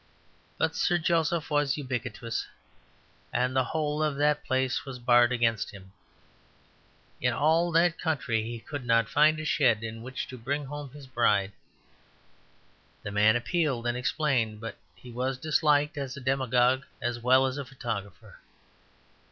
But Sir Joseph was ubiquitous; and the whole of that place was barred against him. In all that country he could not find a shed to which to bring home his bride. The man appealed and explained; but he was disliked as a demagogue, as well as a photographer.